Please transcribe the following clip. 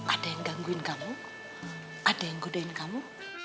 ada yang gangguin kamu ada yang godain kamu